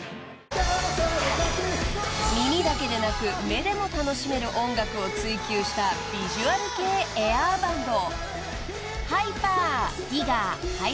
［耳だけでなく目でも楽しめる音楽を追求したビジュアル系エアーバンド］